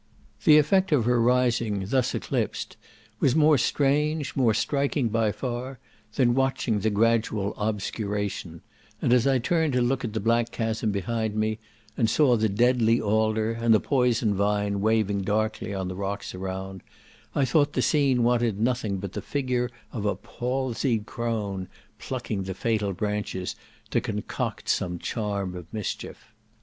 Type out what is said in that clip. The effect of her rising thus eclipsed was more strange, more striking by far, than watching the gradual obscuration; and as I turned to look at the black chasm behind me, and saw the deadly alder, and the poison vine waving darkly on the rocks around, I thought the scene wanted nothing but the figure of a palsied crone, plucking the fatal branches to concoct some charm of mischief.